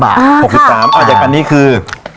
อ่าค่ะ๖๓อ่าอันยังอันนี้คือ